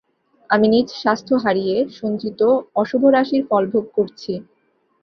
আমি নিজ স্বাস্থ্য হারিয়ে সঞ্চিত অশুভরাশির ফলভোগ করছি।